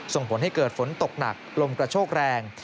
ส่งผลให้เกิดฝนตกหนักลมกระโชกแรง